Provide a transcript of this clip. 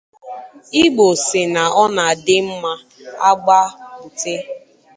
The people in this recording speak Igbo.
Igbo sị na ọ na-adị mma a gbaa bute